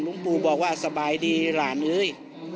ปู่บอกว่าสบายดีหลานเอ้ย